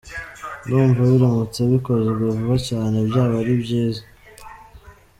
Ndumva biramutse bikozwe vuba cyane byaba ari byiza.